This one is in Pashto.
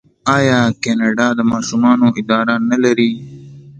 آیا کاناډا د ماشومانو اداره نلري؟